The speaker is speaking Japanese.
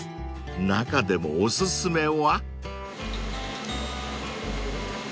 ［中でもお薦めは］